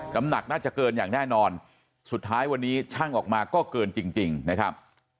น้ำหนักน่าจะเกินอย่างแน่นอนสุดท้ายวันนี้ช่างออกมาก็เกินจริงนะครับ